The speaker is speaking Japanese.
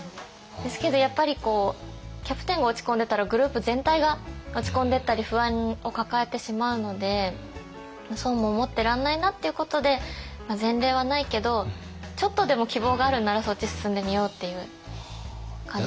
ですけどやっぱりキャプテンが落ち込んでたらグループ全体が落ち込んでったり不安を抱えてしまうのでそうも思ってらんないなっていうことで前例はないけどちょっとでも希望があるんならそっち進んでみようっていう感じになりました。